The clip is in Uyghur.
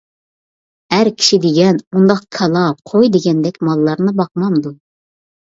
ئەر كىشى دېگەن مۇنداق كالا، قوي دېگەندەك ماللارنى باقمامدۇ.